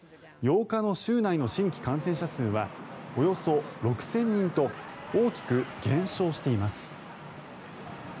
８日の州内の新規感染者数はおよそ６０００人と大きく減少しています。